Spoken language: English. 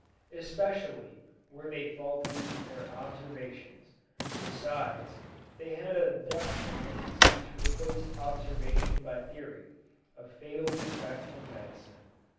Especially were they faulty in their observations; besides, they had a definite tendency to replace observation by theory, a fatal defect in medicine.